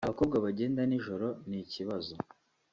abakobwa bagenda nijoro ni ikibazo